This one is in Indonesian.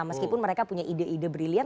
meskipun mereka punya ide ide briliant